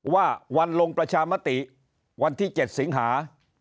ว่าวันลงประชามติวันที่๗สิงหา